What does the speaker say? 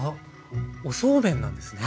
おそうめんなんですね。